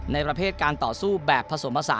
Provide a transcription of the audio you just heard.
ในประเภทการต่อสู้แบบผสมภาษา